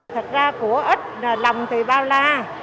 thật ra của ít lòng thì bao la